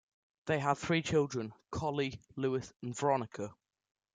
They had three children: Colley, Lewis and Veronica.